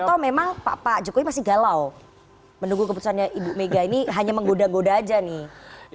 atau memang pak jokowi masih galau menunggu keputusannya ibu mega ini hanya menggoda goda aja nih